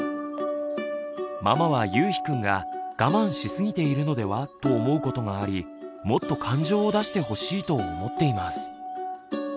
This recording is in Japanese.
ママはゆうひくんが我慢しすぎているのではと思うことがありもっと感情を出してほしいと思っています。